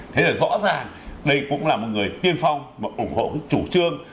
thế là rõ ràng đây cũng là một người tiên phong và ủng hộ chủ trương